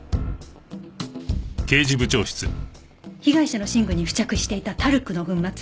被害者の寝具に付着していたタルクの粉末